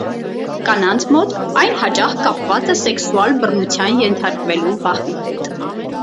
Կանանց մոտ այն հաճախ կապված է սեքսուալ բռնության ենթարկվելու վախի հետ։